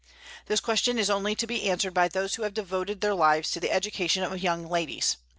This question is only to be answered by those who have devoted their lives to the education of young ladies.